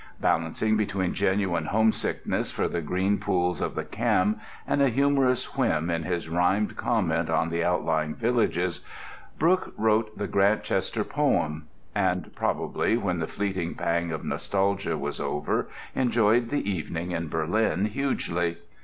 Balancing between genuine homesickness for the green pools of the Cam, and a humorous whim in his rhymed comment on the outlying villages, Brooke wrote the Grantchester poem; and probably when the fleeting pang of nostalgia was over enjoyed the evening in Berlin hugely.